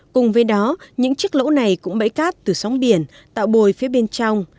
cùng với đó những chiếc lỗ này cũng bẫy cát từ sóng biển tạo bồi phía bên trong